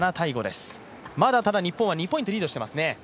まだ、日本は２ポイントリードしていますね。